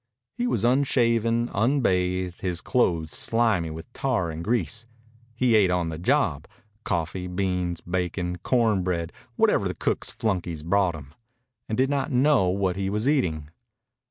He was unshaven, unbathed, his clothes slimy with tar and grease. He ate on the job coffee, beans, bacon, cornbread, whatever the cooks' flunkies brought him and did not know what he was eating.